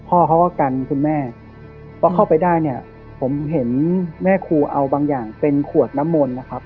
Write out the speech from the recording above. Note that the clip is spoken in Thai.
พ่อเขาก็กันคุณแม่เพราะเข้าไปได้เนี่ยผมเห็นแม่ครูเอาบางอย่างเป็นขวดน้ำมนต์นะครับ